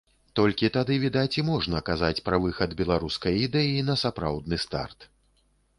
Толькі тады, відаць, і можна казаць пра выхад беларускай ідэі на сапраўдны старт.